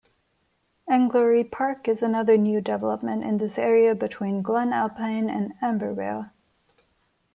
Englorie Park is another new development in this area between Glen Alpine and Ambarvale.